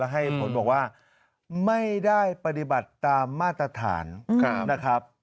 ให้ผลบอกว่าไม่ได้ปฏิบัติตามมาตรฐานนะครับ